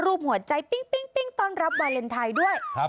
รูปหัวใจปิ๊งตอนรับวาร์เลนไทยด้วย